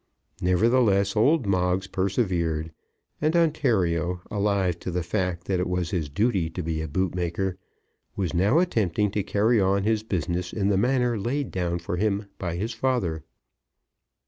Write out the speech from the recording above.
Nevertheless old Moggs persevered; and Ontario, alive to the fact that it was his duty to be a bootmaker, was now attempting to carry on his business in the manner laid down for him by his father.